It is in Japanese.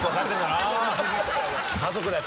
家族だよ